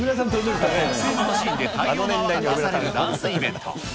特製のマシンで大量の泡が出されるダンスイベント。